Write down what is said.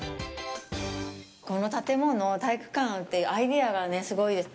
この建物、体育館っていうアイデアがね、すごいです。